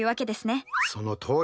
そのとおりです。